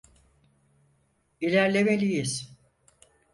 İlerlemeliyiz.